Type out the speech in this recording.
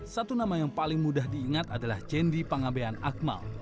satu nama yang paling mudah diingat adalah cendi pangabean akmal